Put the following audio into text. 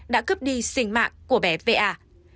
đã cướp đi sinh mạng của bé v a